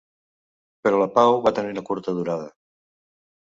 Però la pau va tenir una curta durada.